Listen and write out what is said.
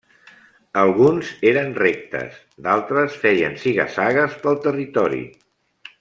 Alguns eren rectes, d'altres feien ziga-zagues pel territori.